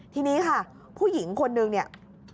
ทีนี้ค่ะผู้หญิงคนนึงเนี่ย